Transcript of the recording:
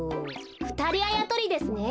ふたりあやとりですね。